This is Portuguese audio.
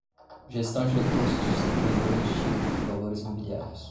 Gestão de Recursos Distribuidora de Títulos e Valores Mobiliários